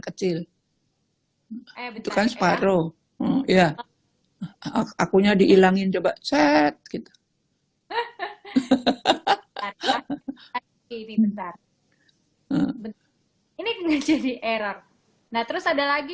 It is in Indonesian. kecil kesil itu kan separuh ya akunya dihilangin coba chat gitu ini jadi error nah terus ada lagi